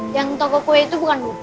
yang toko kue itu bukan bu